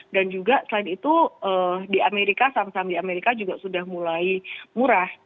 dan juga selain itu di amerika samsung di amerika juga sudah mulai murah